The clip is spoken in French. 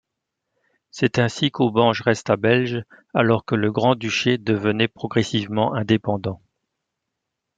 C'est ainsi qu'Aubange resta belge alors que le Grand-duché devenait progressivement indépendant.